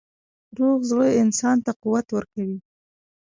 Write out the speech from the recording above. روغ زړه انسان ته قوت ورکوي.